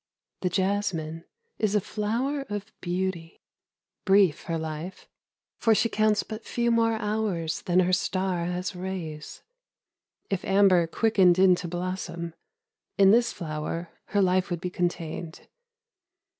— The jasmine is a flower of beauty ; 40 Two Fragments from the Spanish. Brief her life, For she counts but few more hours Than her star has rays ; If amber quickened into blossom In this flower her life would be contained.